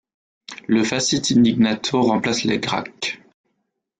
Le facit indignatio remplace les Gracques.